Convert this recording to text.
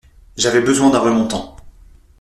J’avais besoin d’un remontant.